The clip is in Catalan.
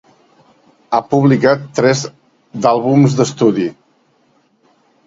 Ha publicat tres d'àlbums d'estudi.